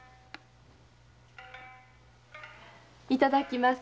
いただきます。